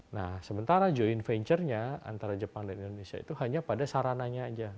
nah sementara joint venture nya antara jepang dan indonesia itu hanya pada sarananya aja